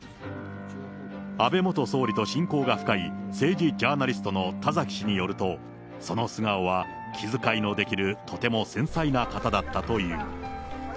安倍元総理と親交が深い、政治ジャーナリストの田崎氏によると、その素顔は気遣いのできるとても繊細な方だったという。